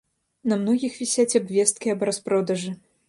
На многіх вісяць абвесткі аб распродажы.